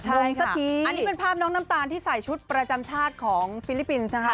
ลงสักทีอันนี้เป็นภาพน้องน้ำตาลที่ใส่ชุดประจำชาติของฟิลิปปินส์นะคะ